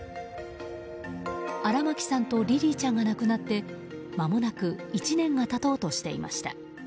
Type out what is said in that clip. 荒牧さんとリリィちゃんが亡くなってまもなく１年が経とうとしていました。